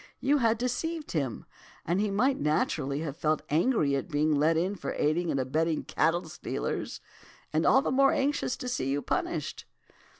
'You had deceived him, and he might naturally have felt angry at being let in for aiding and abetting cattle stealers, and all the more anxious to see you punished.